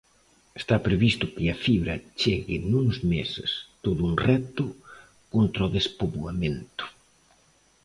Está previsto que a fibra chegue nuns meses, todo un reto contra o despoboamento.